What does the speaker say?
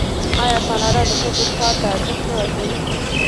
آیا کاناډا د ښځو کار ته ارزښت نه ورکوي؟